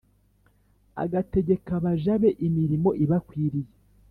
agategeka abaja be imirimo ibakwiriye